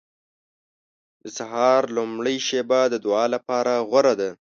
• د سهار لومړۍ شېبه د دعا لپاره غوره ده.